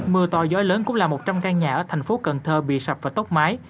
mưa to gió lớn cũng là một trăm linh căn nhà ở thành phố cần thơ bị sập và tốc mái